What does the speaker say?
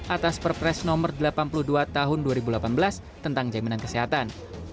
atas perpres nomor delapan puluh dua tahun dua ribu delapan belas tentang jaminan kesehatan